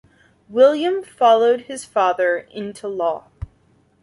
William followed his father into law.